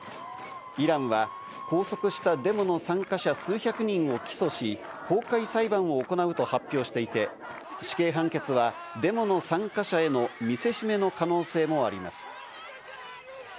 イランは拘束したデモの参加者数百人を起訴し、公開裁判を行うと発表していて、死刑判決はデモの参加者への見せしめの可能性もあります。